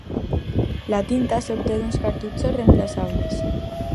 La tinta s'obté d'uns cartutxos reemplaçables.